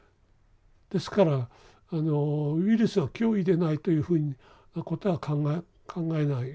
ですからあのウイルスは脅威でないというふうなことは考えない。